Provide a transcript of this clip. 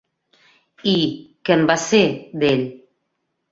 I, què en va ser, d'ell?